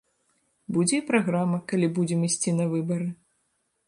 Будзе і праграма, калі будзем ісці на выбары.